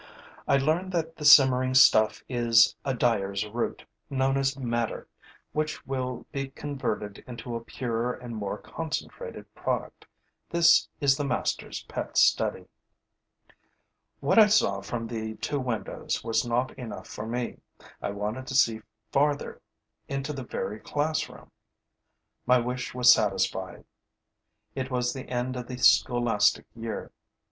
I learn that the simmering stuff is a dyer's root, known as madder, which will be converted into a purer and more concentrated product. This is the master's pet study. What I saw from the two windows was not enough for me. I wanted to see farther, into the very classroom. My wish was satisfied. It was the end of the scholastic year.